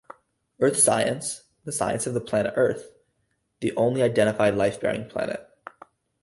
Earth science - the science of the planet Earth, the only identified life-bearing planet.